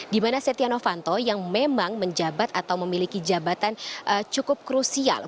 dimana setia novanto yang memang menjabat atau memiliki jabatan cukup krusial